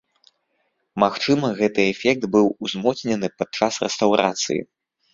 Магчыма, гэты эфект быў узмоцнены падчас рэстаўрацыі.